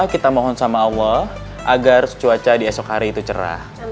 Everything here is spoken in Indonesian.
kita mohon sama allah agar cuaca di esok hari itu cerah